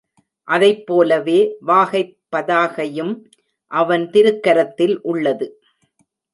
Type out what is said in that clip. அதைப் போலவே வாகைப் பதாகையும் அவன் திருக்கரத்தில் உள்ளது.